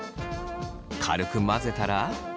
軽く混ぜたら。